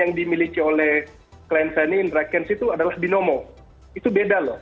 yang dimiliki oleh klien saya ini indra kents itu adalah binomo itu beda loh